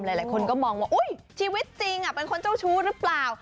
หลายคนก็มองว่าชีวิตจริงเป็นคนเจ้าชู้หรือเปล่า